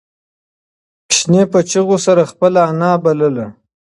ماشوم په چیغو سره خپله انا بلله.